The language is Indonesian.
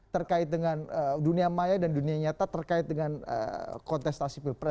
terkait dengan dunia maya dan dunia nyata terkait dengan kontestasi pilpres